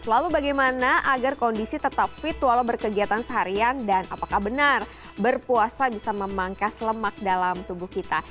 lalu bagaimana agar kondisi tetap fit walau berkegiatan seharian dan apakah benar berpuasa bisa memangkas lemak dalam tubuh kita